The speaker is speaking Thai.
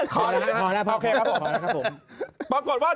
ก๊อกก๊อกก๊อกก๊อกก๊อกก๊อก